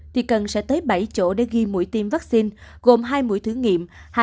thì cần sẽ tới bảy chỗ để ghi mũi tiêm vaccine gồm hai mũi thử nghiệm